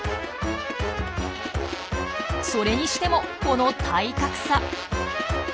それにしてもこの体格差！